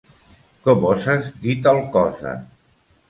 Com oses dir tal cosa?